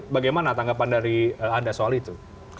bagaimana tanggapan dari anda soal itu